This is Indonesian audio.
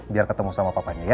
biar ketemu sama papanya ya